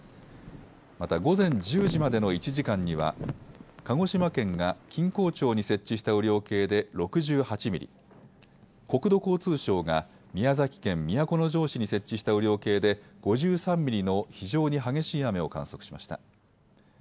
また午前１０時までの１時間には鹿児島県が錦江町に設置した雨量計で６８ミリ、国土交通省が宮崎県都城市に設置した雨量計で５３ミリの非常に激しい雨を観測しました。